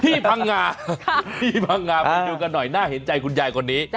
พี่พังงาพี่พังงามาดูกันหน่อยน่าเห็นใจคุณใหญ่คนนี้